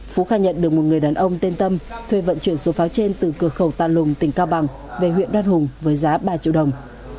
phú khai nhận được một người đàn ông tên tâm thuê vận chuyển số pháo trên từ cửa khẩu ta lùng tỉnh cao bằng về huyện đoan hùng với giá ba triệu đồng